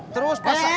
terus pas saya